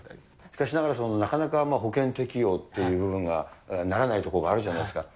しかしながら、なかなか保険適用っていう部分がならないところがあるじゃないですか。